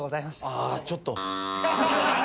あちょっと。